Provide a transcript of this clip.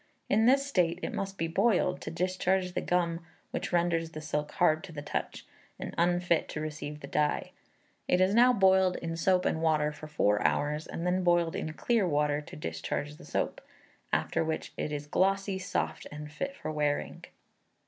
In this state it must be boiled, to discharge the gum which renders the silk hard to the touch, and unfit to receive the dye. It is now boiled in soap and water for four hours, and then boiled in clear water to discharge the soap; after which it is glossy, soft, and fit for wearing.